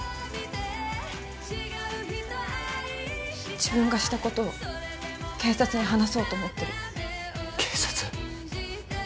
自分がしたことを警察に話そうと思ってる警察？